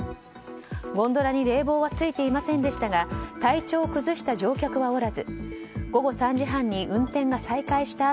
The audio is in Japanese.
ゴンドラに冷房はついていませんでしたが体調を崩した乗客はおらず午後３時半に運転が再開した